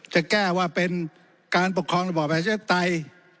จะแก้ว่าเป็นการปกครองระบอบเชฟไตย